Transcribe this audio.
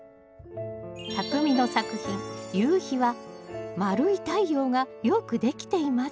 たくみの作品「夕日」は丸い太陽がよくできています。